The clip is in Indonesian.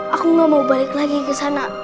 aku gak mau balik lagi kesana